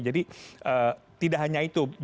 jadi tidak hanya itu